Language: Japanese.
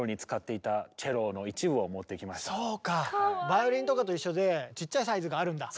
バイオリンとかと一緒でちっちゃいサイズがあるんだ！